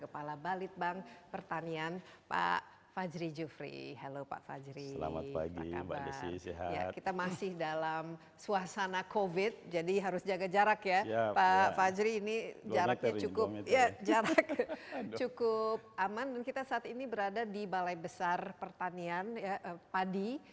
pak fajri ini jaraknya cukup aman dan kita saat ini berada di balai besar pertanian padi